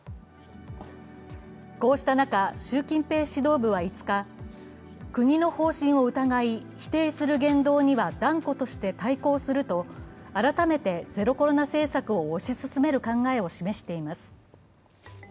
こうした中、習近平指導部は５日、国の方針を疑い、否定する言動には断固として対抗すると、改めてゼロコロナ政策を推し進める考えを示しています。